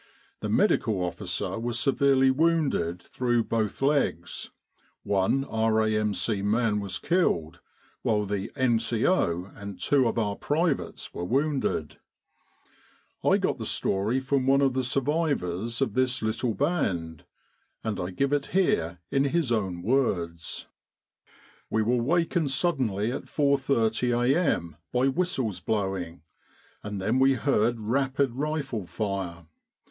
The Medical Officer was severely wounded through both legs, one R.A.M.C. man was killed, while the N.C.O. and two of our privates were wounded. I got the story from one of the survivors of this little band, and I give it here in his own words :"* We were wakened suddenly at 4.30 a.m. by whistles blowing, and then we heard rapid rifle fire.